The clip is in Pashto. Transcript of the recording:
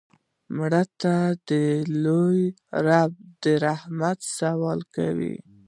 مړه ته د لوی رب د رحمت سوال کوو